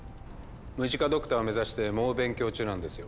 ムジカドクターを目指して猛勉強中なんですよ。